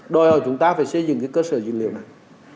đòi hỏi chúng ta phải xây dựng cái cơ sở dữ liệu này